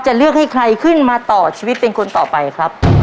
จะเลือกให้ใครขึ้นมาต่อชีวิตเป็นคนต่อไปครับ